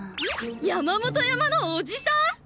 山本山のオジさん？